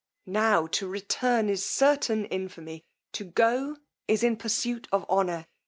Now to return is certain infamy! To go, is in pursuit of honour!